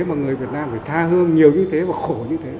mà người việt nam phải tha hương nhiều như thế và khổ như thế